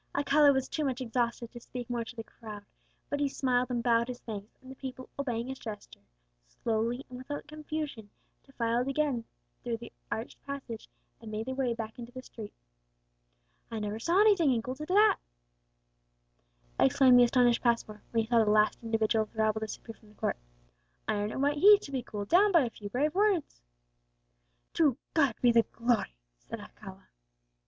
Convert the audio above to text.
Alcala was too much exhausted to speak more to the crowd, but he smiled and bowed his thanks; and the people, obeying his gesture, slowly and without confusion defiled again through the arched passage, and made their way back into the street. "I never saw anything to equal that!" exclaimed the astonished Passmore, when he saw the last individual of the rabble disappear from the court. "Iron at white heat to be cooled down by a few brave words!" "To God be the glory!" said Alcala.